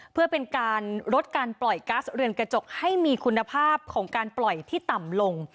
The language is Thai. เพื่อเป็นการลดการปล่อยก๊าซเรือนกระจกให้มีคุณภาพของการปล่อยที่ต่ำลง